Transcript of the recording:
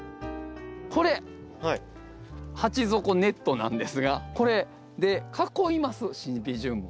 これ鉢底ネットなんですがこれで囲いますシンビジウムを。